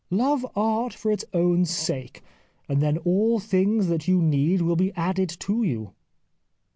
Love art for its own sake, and then all things that you need will be added to you."